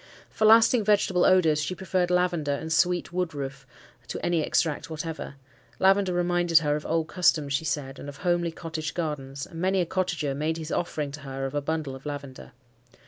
For lasting vegetable odours she preferred lavender and sweet woodroof to any extract whatever. Lavender reminded her of old customs, she said, and of homely cottage gardens, and many a cottager made his offering to her of a bundle of lavender.